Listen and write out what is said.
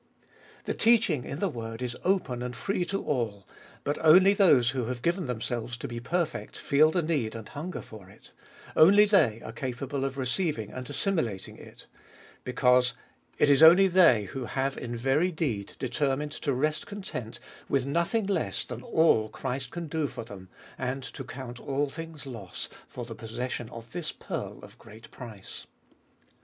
The teaching in the word is open and free to all, but only those who have given themselves to be perfect, feel the need and hunger for it — only they are capable of receiving and assimilating it ; because it is only they who 202 cbe fcoliest of 2UI have in very deed detei mined to rest content with nothing less than all Christ can do for them, and to count all things loss for the possession of this pearl of great price.